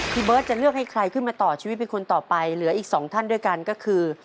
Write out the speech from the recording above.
เบิร์ตจะเลือกให้ใครขึ้นมาต่อชีวิตเป็นคนต่อไปเหลืออีกสองท่านด้วยกันก็คือ